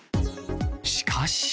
しかし。